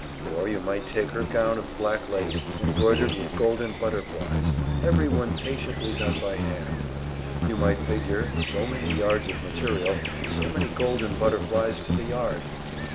Or you might take her gown of black lace, embroidered with golden butterflies, every one patiently done by hand; you might figure so many yards of material, and so many golden butterflies to the yard!